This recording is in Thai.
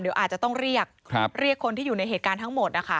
เดี๋ยวอาจจะต้องเรียกเรียกคนที่อยู่ในเหตุการณ์ทั้งหมดนะคะ